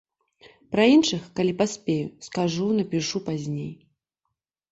Пра іншых, калі паспею, скажу, напішу пазней.